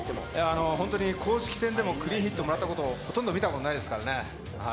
本当に公式戦でもクリーンヒットをもらったことをほとんど見たことがないですからね。